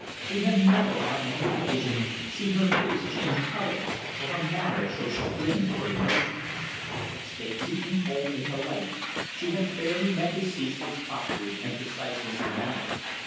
He had never on any occasion seen her face change colour, or her manner show chagrin or emotion. Stately and cold and polite, she had fairly met his ceaseless foppery and preciseness of manner.